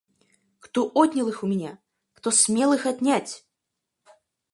Кто отнял их у меня, кто смел их отнять!